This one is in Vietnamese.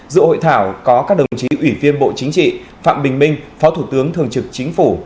dự hội thảo có các đồng chí ủy viên bộ chính trị phạm bình minh phó thủ tướng thường trực chính phủ